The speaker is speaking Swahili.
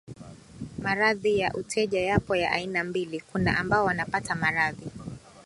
Maradhi ya uteja yapo ya aina mbili kuna ambao wanapata maradhi